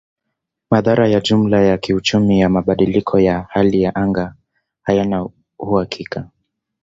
Madhara ya jumla ya kiuchumi ya mabadiliko ya hali ya anga hayana uhakika.